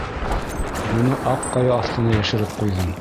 Уны аҡ ҡая аҫтына йәшереп ҡуйҙым.